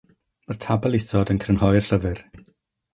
Mae'r tabl isod yn crynhoi'r llyfr.